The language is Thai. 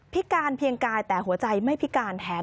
พิการเพียงกายแต่หัวใจไม่พิการแถม